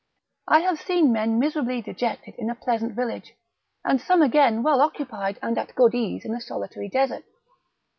I have seen men miserably dejected in a pleasant village, and some again well occupied and at good ease in a solitary desert.